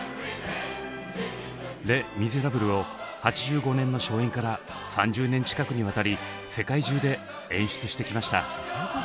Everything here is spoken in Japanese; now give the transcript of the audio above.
「レ・ミゼラブル」を８５年の初演から３０年近くにわたり世界中で演出してきました。